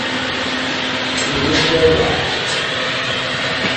He was also a writer.